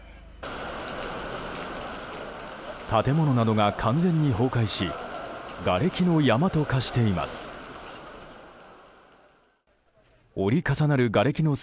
建物などが完全に崩壊しがれきの山と化しています。